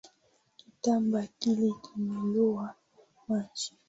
Kitambaa kile kimelowa maji